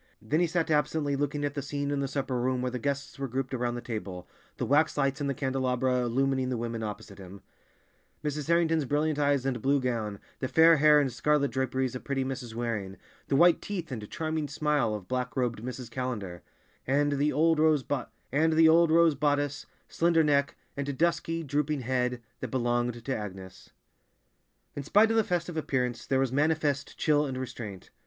Then he sat absently looking at the scene in the supper room where the guests were grouped around the table, the wax lights in the candelabra illumining the women opposite him; Mrs. Harrington's brilliant eyes and blue gown, the fair hair and scarlet draperies of pretty Mrs. Waring, the white teeth and charming smile of black robed Mrs. Callender, and the old rose bodice, slender neck, and dusky, drooping head that belonged to Agnes. In spite of the festive appearance, there was manifest chill and restraint.